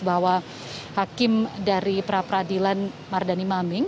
bahwa hakim dari prapradilan mardani maming